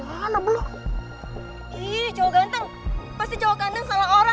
tunggu kan gak belah sama orang dari kota